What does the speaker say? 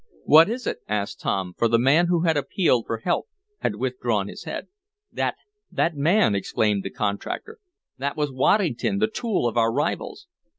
"What is it?" asked Tom, for the man who had appealed for help, had withdrawn his head. "That that man!" exclaimed the contractor. "That was Waddington, the tool of our rivals."